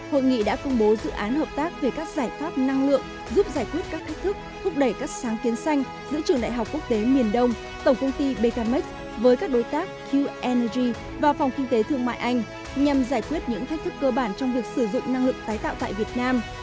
hội nghị đã công bố dự án hợp tác về các giải pháp năng lượng giúp giải quyết các thách thức thúc đẩy các sáng kiến xanh giữa trường đại học quốc tế miền đông tổng công ty becamec với các đối tác q energy và phòng kinh tế thương mại anh nhằm giải quyết những thách thức cơ bản trong việc sử dụng năng lượng tái tạo tại việt nam